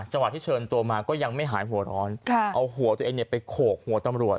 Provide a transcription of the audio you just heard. ที่เชิญตัวมาก็ยังไม่หายหัวร้อนเอาหัวตัวเองเนี่ยไปโขกหัวตำรวจ